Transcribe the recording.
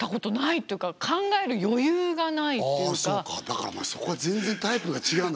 だからそこは全然タイプが違うんだ。